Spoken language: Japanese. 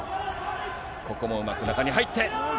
ここもうまく中に入って。